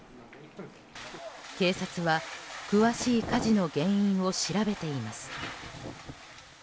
警察は詳しい火事の原因を調べています。